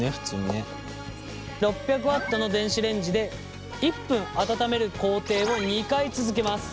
６００Ｗの電子レンジで１分温める工程を２回続けます。